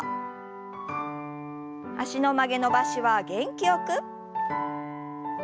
脚の曲げ伸ばしは元気よく。